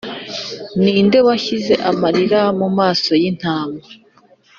ninde washyize amarira mumaso yintama